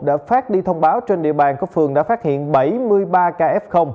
đã phát đi thông báo trên địa bàn có phường đã phát hiện bảy mươi ba ca f